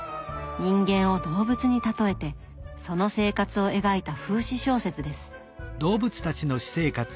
人間を動物に例えてその生活を描いた風刺小説です。